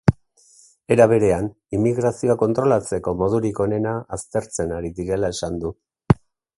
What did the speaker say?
Era berean, immigrazioa kontrolatzeko modurik onena aztertzen ari direla esan du.